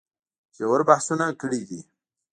ژور بحثونه کړي دي